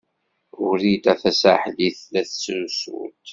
Wrida Tasaḥlit tella tettrusu-d.